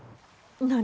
何？